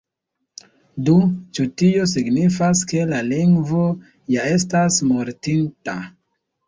Do, ĉu tio signifas ke la lingvo ja estas mortinta?